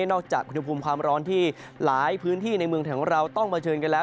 นอกจากคุณภูมิความร้อนที่หลายพื้นที่ในเมืองแถวเราต้องมาเชิญกันแล้ว